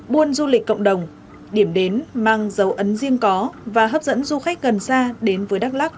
buôn du lịch cộng đồng điểm đến mang dấu ấn riêng có và hấp dẫn du khách gần xa đến với đắk lắc